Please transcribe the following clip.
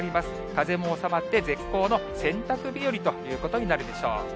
風も収まって、絶好の洗濯日和ということになるでしょう。